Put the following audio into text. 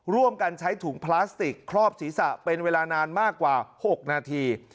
ร่วมกันใช้ถุงพลาสติกครอบศีรษะเป็นเวลานานมากกว่า๖นาที